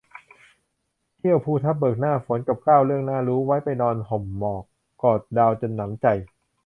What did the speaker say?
เที่ยวภูทับเบิกหน้าฝน กับ เก้า เรื่องน่ารู้ ไว้ไปนอนห่มหมอก กอดดาวจนหนำใจ